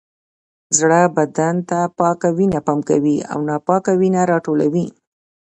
زړه بدن ته پاکه وینه پمپ کوي او ناپاکه وینه راټولوي